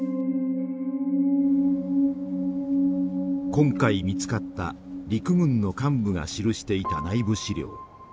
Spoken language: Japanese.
今回見つかった陸軍の幹部が記していた内部資料。